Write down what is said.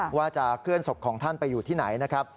ว่าจะเคลื่อนศพของท่านไปอยู่ที่ไหนนะครับ